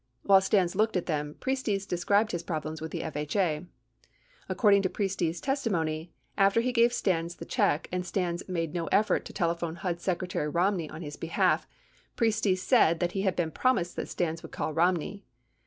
While Stans looked at them, Priestes described his problems with the FHA. 87 According to Priestes' testi mony, after he gave Stans the check and Stans made no effort to tele phone HUD Secretary Romney on his behalf, Priestes said that he had been promised that Stans would call Romney.